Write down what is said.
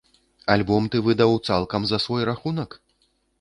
Альбом ты выдаў цалкам за свой рахунак?